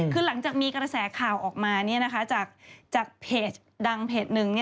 คือหลังจากมีกระแสข่าวออกมาจากเพจดังเพจหนึ่ง